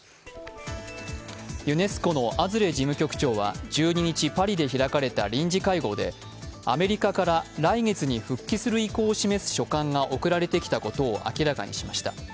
ユネスコのアズレ事務局長は１２日、パリで開かれた臨時会合でアメリカから来月に復帰する意向を示す書簡が送られてきたことを明らかにしました。